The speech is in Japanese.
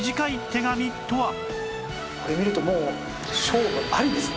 これ見るともう勝負ありですね。